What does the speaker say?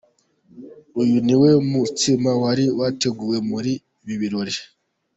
Uyu niwo mutsima wari wateguwe muri ibi birori.